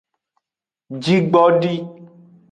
Jigbdi.